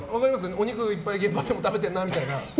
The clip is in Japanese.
お肉いっぱい食べてるなみたいな。